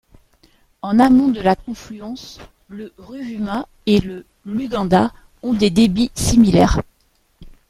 En amont de la confluence, le Ruvuma et le Lugenda ont des débits similaires.